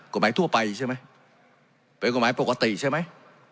ทั่วไปใช่ไหมเป็นกฎหมายปกติใช่ไหม